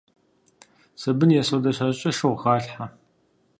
Сабын е содэ щащӀкӀэ, шыгъу халъхьэ.